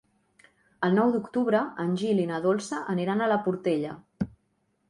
El nou d'octubre en Gil i na Dolça aniran a la Portella.